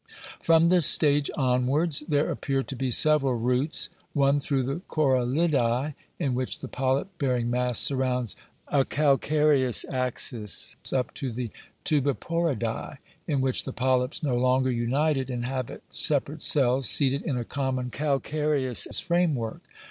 From this stage onwards, there appear to be several routes ; one through the CorallicUe, in which the polyp bearing mass surrounds a calcareous •axis, up to the Tubiporida, in which the polyps, no longer united, inhabit separate cells, seated in a common calcareous framework.